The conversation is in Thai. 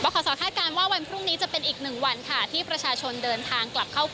ข้อสอบค้าดการณ์ว่าวันพรุ่งนี้จะเป็นอีก๑วันขาที่ประชาชน